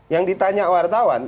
yang ditanya wartawan